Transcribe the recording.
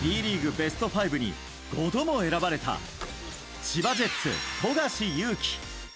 ベスト５に５度も選ばれた千葉ジェッツ、富樫勇樹。